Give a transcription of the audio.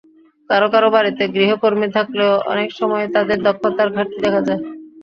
কারও কারও বাড়িতে গৃহকর্মী থাকলেও অনেক সময়ই তাদের দক্ষতায় ঘাটতি দেখা যায়।